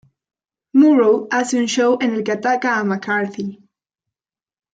Murrow hace un show en el que ataca a McCarthy.